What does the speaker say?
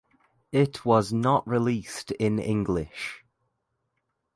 It was not released in English.